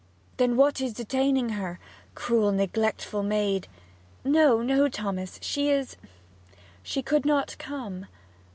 'Then what is detaining her cruel, neglectful maid!' 'No, no, Thomas; she is She could not come.'